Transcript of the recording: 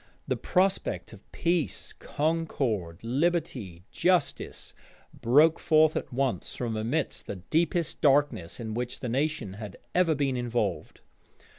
The prospect of peace, concord, liberty, justice, broke forth at once from amidst the deepest darkness in which the nation had ever been involved.